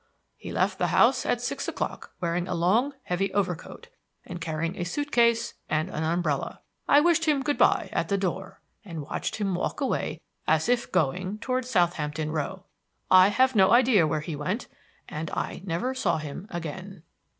He left the house at six o'clock wearing a long, heavy overcoat and carrying a suit case and an umbrella. I wished him 'Good by' at the door and watched him walk away as if going toward Southampton Row. I have no idea where he went, and I never saw him again."